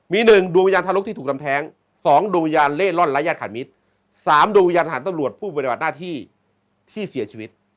มี๑โดมึยาลธรรมที่ถูกทำแท้๒โดมึยาลเล่นร่อนร้ายชาติมิตร๓โดมึยาลหัสต้นบรวจผู้บริหารหน้าที่ที่เสียชีวิต